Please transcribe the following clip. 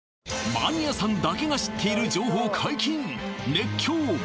マニアさんだけが知っている情報解禁！